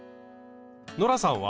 ノラさんは？